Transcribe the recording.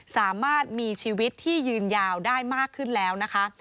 สามารถมีชีวิตที่ยืนยาวได้มากขึ้นแล้วนะคะ